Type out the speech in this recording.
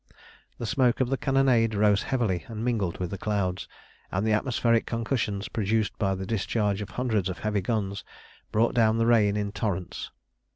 The smoke of the cannonade rose heavily and mingled with the clouds, and the atmospheric concussions produced by the discharge of hundreds of heavy guns, brought down the rain in torrents.